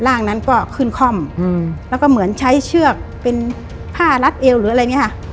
ร่างนั้นก็ขึ้นค่อมแล้วก็เหมือนใช้เชือกเป็นผ้ารัดเอวหรืออะไรอย่างนี้ค่ะ